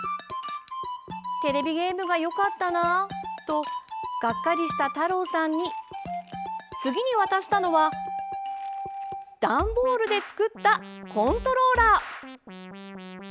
テレビゲームがよかったなあとがっかりした太郎さんに次に渡したのは段ボールで作ったコントローラー。